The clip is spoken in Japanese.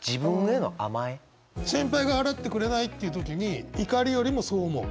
先輩が払ってくれないっていう時に怒りよりもそう思う？